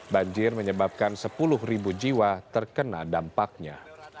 banjir menyebabkan sepuluh ribu jiwa terkena dampaknya